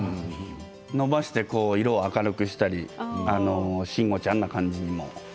伸ばして色を明るくしたり慎吾ちゃんな感じにも。